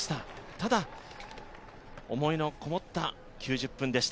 ただ思いのこもった９０分でした。